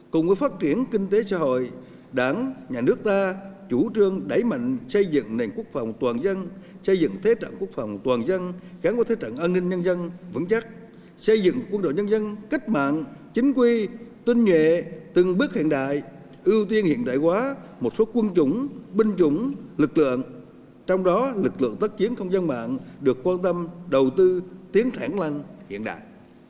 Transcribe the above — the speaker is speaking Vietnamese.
cùng với phát triển kinh tế xã hội đảng nhà nước ta chủ trương đẩy mạnh xây dựng nền quốc phòng toàn dân xây dựng thế trận quốc phòng toàn dân kháng qua thế trận an ninh nhân dân vững chắc xây dựng quân đội nhân dân cách mạng chính quy tinh nhuệ từng bước hiện đại ưu tiên hiện đại hóa một số quân chủng binh chủng lực lượng trong đó lực lượng tác chiến không gian mạng được quan tâm đầu tư tiến thẳng lanh hiện đại